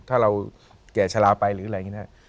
ถ้าเราแก่ชะลาไปหรืออะไรอย่างนี้นะครับ